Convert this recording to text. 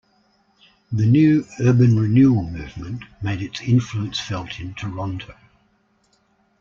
The new "urban renewal" movement made its influence felt in Toronto.